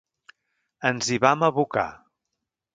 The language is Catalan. Ens hi vam abocar.